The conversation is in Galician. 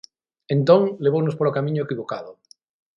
Entón, levounos polo camiño equivocado.